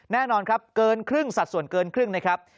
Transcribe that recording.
แน่นอนครับเกินครึ่งสัดส่วนเกินครึ่งนะครับ